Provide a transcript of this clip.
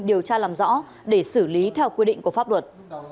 điều tra làm rõ để xử lý theo quy định của pháp luật